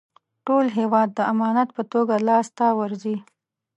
ټول هېواد د امانت په توګه لاسته ورځي.